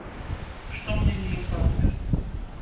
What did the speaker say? Што мне не імпануе.